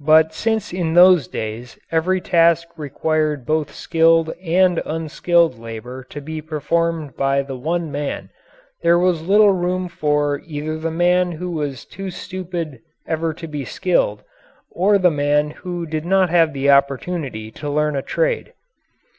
But since in those days every task required both skilled and unskilled labour to be performed by the one man, there was little room for either the man who was too stupid ever to be skilled or the man who did not have the opportunity to learn a trade.